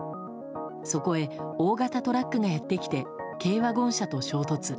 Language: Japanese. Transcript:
そこへ大型トラックがやってきて軽ワゴン車と衝突。